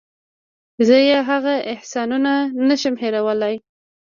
زه یې هغه احسانونه نشم هېرولی.